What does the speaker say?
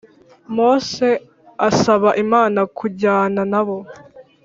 Mose asaba Imana kujyana na bo